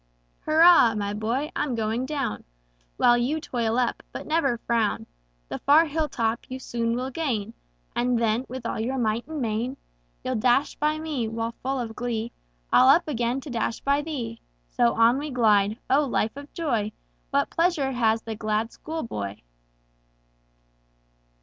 Hurra! my boy! I'm going down, While you toil up; but never frown; The far hill top you soon will gain, And then, with all your might and main, You'll dash by me; while, full of glee, I'll up again to dash by thee! So on we glide O, life of joy; What pleasure has the glad school boy!